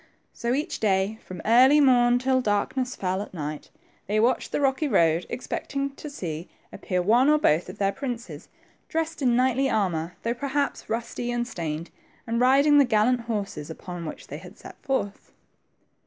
So, each day, from early morn till darkness fell at night, they watched the rocky, road, expecting to see appear one or both of their princes, dressed in knightly armor, though perhaps rusty and stained, and riding the gallant horses upon which they had set forth.